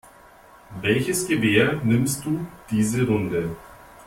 Welches Gewehr nimmst du diese Runde?